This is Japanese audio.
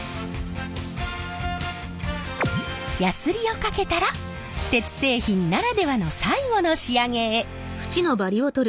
やすりをかけたら鉄製品ならではの最後の仕上げへ。